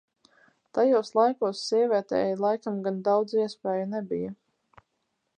Tajos laikos sievietei laikam gan daudz iespēju nebija.